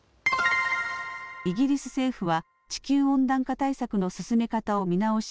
イギリス政府は地球温暖化対策の進め方を見直し